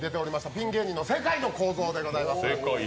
ピン芸人の世界のこーぞーでございます。